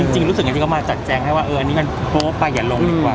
จริงรู้สึกเห็นซึ่งก็มาจัดแจ้งให้ว่าเอออันนี้มันโป๊ะประหยัดลงดีกว่า